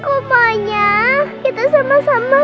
aku maunya kita sama sama